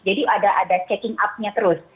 jadi ada check up nya terus